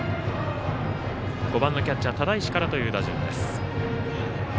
５番のキャッチャー只石からという打順です。